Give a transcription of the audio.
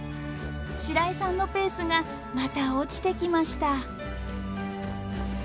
白井さんのペースがまた落ちてきました。